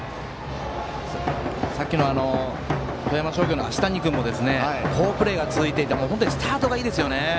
さっきの富山商業の足谷君も好プレーが続いていてスタートがいいですね。